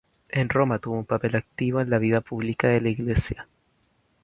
En Roma tuvo un papel activo en la vida pública de la Iglesia.